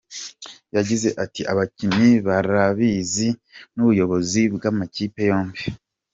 Yagize ati "Abakinnyi barabizi n’ubuyobozi bw’amakipe yombi.